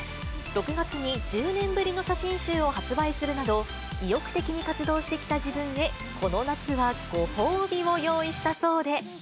６月に１０年ぶりの写真集を発売するなど、意欲的に活動してきた自分へ、この夏はご褒美を用意したそうで。